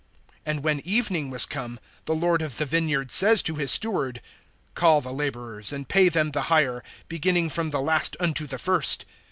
(8)And when evening was come, the lord of the vineyard says to his steward: Call the laborers, and pay them the hire, beginning from the last, unto the first.